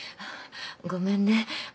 ごめんね。